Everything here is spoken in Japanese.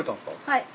はい。